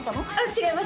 違います